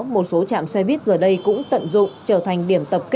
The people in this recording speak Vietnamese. một loạt cái khác nó cũng tương tự